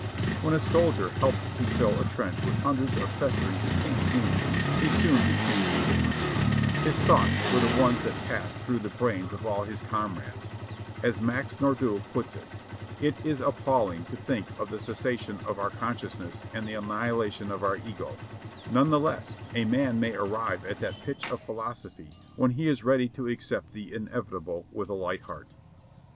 When a soldier helped to fill a trench with hundreds of festering, decaying humans he soon be came indifferent — his thoughts were the ones that passed through the brains of all his comrades ; as Max Nordau puts it, "It is ap palling to think of the cessation of our consciousness and the an nihilation of our Ego, none the less a man may arrive at that pitch of philosophy when he is ready to accept the inevitable with a light heart."